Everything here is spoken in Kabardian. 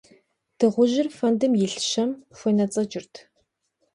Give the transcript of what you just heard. Дыгъужьыр фэндым илъ щэм хуенэцӀэкӀырт.